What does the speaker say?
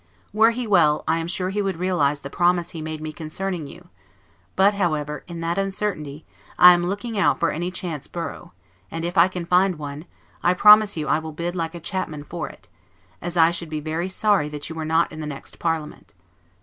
Were he well, I am sure he would realize the promise he made me concerning you; but, however, in that uncertainty, I am looking out for any chance borough; and if I can find one, I promise you I will bid like a chapman for it, as I should be very sorry that you were not in the next parliament.